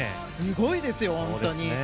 すごいですよ、本当に。